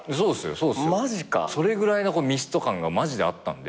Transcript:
それぐらいのミスト感がマジであったんで。